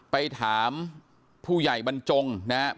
ไปถามผู้ใหญ่บรรจงนะครับ